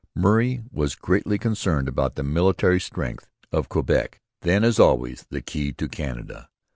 Murray was greatly concerned about the military strength of Quebec, then, as always, the key of Canada.